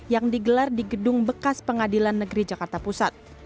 yang digelar di gedung bekas pengadilan negeri jakarta pusat